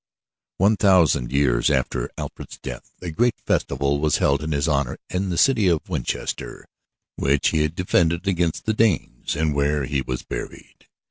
One thousand years after Alfred's death a great festival was held in his honor in the city of Winchester which he had defended against the Danes and where he was buried.